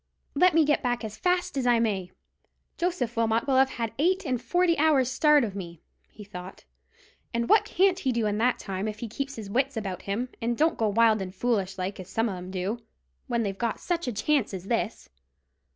"Let me get back as fast as I may, Joseph Wilmot will have had eight and forty hours' start of me," he thought; "and what can't he do in that time, if he keeps his wits about him, and don't go wild and foolish like, as some of 'em do, when they've got such a chance as this.